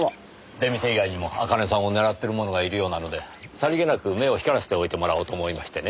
出店以外にも茜さんを狙っている者がいるようなのでさりげなく目を光らせておいてもらおうと思いましてね。